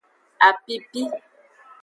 Apipi.